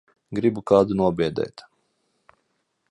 Gribu kādu nobiedēt.